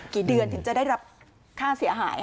กี่เดือนถึงจะได้รับค่าเสียหาย